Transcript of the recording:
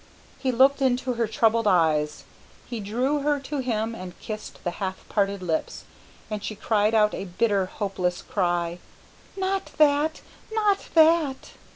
He looked into her troubled eyes; he drew her to him and kissed the half parted lips, and she cried out, a bitter, hopeless cry, "Not that not that!"